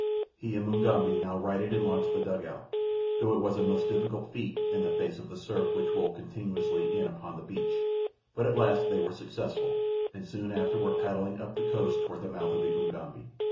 He and Mugambi now righted and launched the dugout, though it was a most difficult feat in the face of the surf which rolled continuously in upon the beach; but at last they were successful, and soon after were paddling up the coast toward the mouth of the Ugambi.